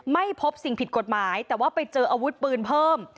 ไม่พบสิ่งผิดกฎหมายแต่ว่าไปเจออาวุธปืนเพิ่ม